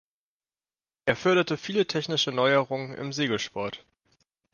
Er förderte viele technische Neuerungen im Segelsport.